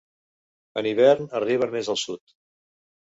En hivern arriben més al sud.